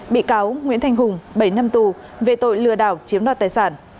bị cáo nguyễn thanh hùng bảy năm tù về tội lừa đảo chiếm đoạt tài sản